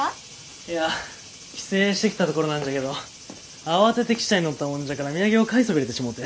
いや帰省してきたところなんじゃけど慌てて汽車に乗ったもんじゃから土産を買いそびれてしもうて。